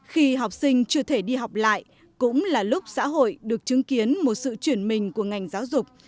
khi học sinh chưa thể đi học lại cũng là lúc xã hội được chứng kiến một sự chuyển mình của ngành giáo dục